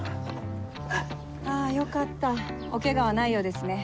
あぁよかったおケガはないようですね。